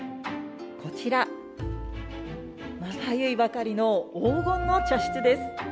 こちら、まばゆいばかりの黄金の茶室です。